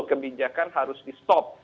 kebijakan harus di stop